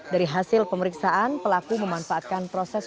dari hasil pemeriksaan pelaku memanfaatkan proses